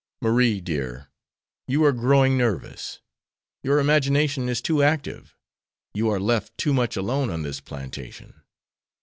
"Marie, dear, you are growing nervous. Your imagination is too active. You are left too much alone on this plantation.